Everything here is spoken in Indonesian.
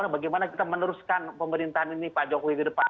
bagaimana kita meneruskan pemerintahan ini pak jokowi ke depan